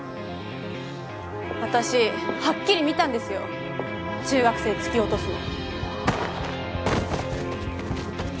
私はっきり見たんですよ中学生突き落とすの。